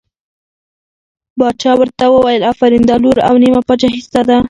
باچا ورته وویل آفرین دا لور او نیمه پاچهي ستا ده.